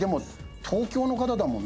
東京の方だから。